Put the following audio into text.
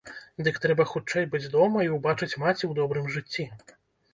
Дык трэба хутчэй быць дома і ўбачыць маці ў добрым жыцці.